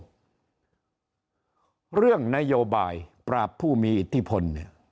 การทูตที่โน้นเรื่องนโยบายปราบผู้มีอิทธิพล